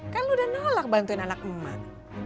kan lu udah nolak bantuin anak emak